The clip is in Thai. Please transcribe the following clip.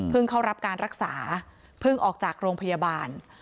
เข้ารับการรักษาเพิ่งออกจากโรงพยาบาล